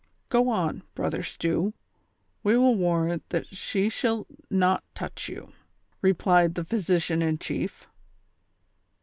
"Go on, Brother Stew, we will warrant that she shall not touch you," replied the physician in chief.